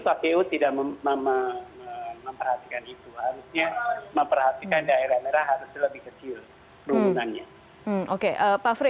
harusnya memperhatikan daerah merah harusnya lebih kecil kerumunannya